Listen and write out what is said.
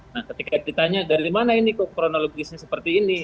nah ketika ditanya dari mana ini kok kronologisnya seperti ini